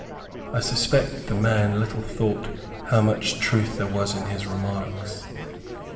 I suspect the man little thought how much truth there was in his remarks.